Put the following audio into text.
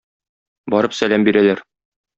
Барып сәлам бирәләр.